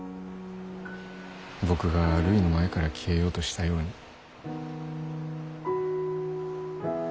僕がるいの前から消えようとしたように。